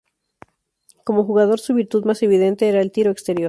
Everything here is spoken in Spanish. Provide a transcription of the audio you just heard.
Como jugador su virtud más evidente era el tiro exterior.